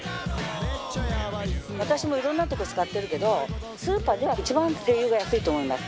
私もいろんなとこ使ってるけどスーパーでは一番ＳＥＩＹＵが安いと思います。